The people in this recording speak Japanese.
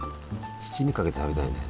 七味かけて食べたいね。